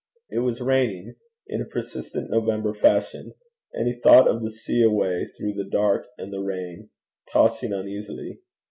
It was raining in a persistent November fashion, and he thought of the sea, away through the dark and the rain, tossing uneasily.